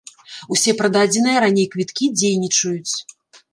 Усе прададзеныя раней квіткі дзейнічаюць.